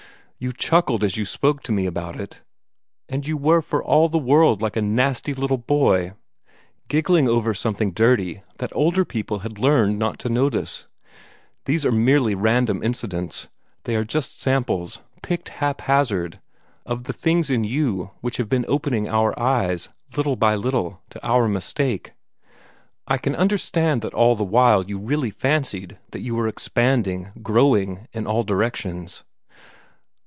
You chuckled as you spoke to me about it, and you were for all the world like a little nasty boy, giggling over something dirty that older people had learned not to notice. These are merely random incidents. They are just samples, picked hap hazard, of the things in you which have been opening our eyes, little by little, to our mistake. I can understand that all the while you really fancied that you were expanding, growing, in all directions.